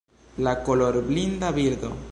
La kolorblinda birdo